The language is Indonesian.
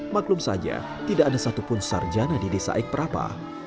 maklum saja tidak ada satupun sarjana di desa aik prapa